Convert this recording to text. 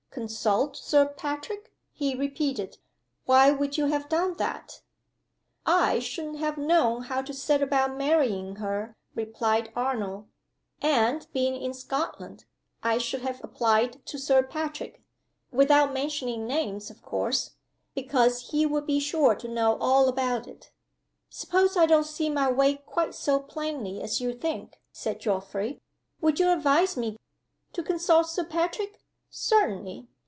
"Consult Sir Patrick?" he repeated. "Why would you have done that?" "I shouldn't have known how to set about marrying her," replied Arnold. "And being in Scotland I should have applied to Sir Patrick (without mentioning names, of course), because he would be sure to know all about it." "Suppose I don't see my way quite so plainly as you think," said Geoffrey. "Would you advise me " "To consult Sir Patrick? Certainly!